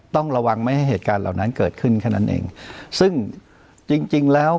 ต้องระวังไม่ให้เหตุการณ์เหล่านั้นเกิดขึ้นแค่นั้นเองซึ่งจริงจริงแล้ว